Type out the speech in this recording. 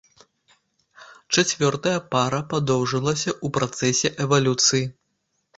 Чацвёртая пара падоўжылася ў працэсе эвалюцыі.